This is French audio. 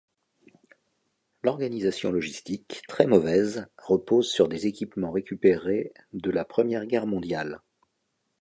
L'organisation logistique, très mauvaise, repose sur des équipements récupérés de la Première Guerre mondiale.